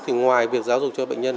thì ngoài việc giáo dục cho bệnh nhân